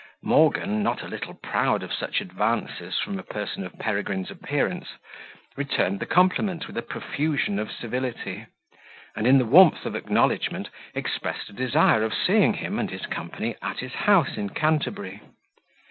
Morgan, not a little proud of such advances from a person of Peregrine's appearance, returned the compliment with a profusion of civility, and, in the warmth of acknowledgment, expressed a desire of seeing him and his company at his house in Canterbury.